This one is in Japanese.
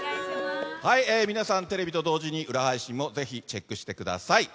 皆さんテレビと同時に裏配信もチェックしてくださいね。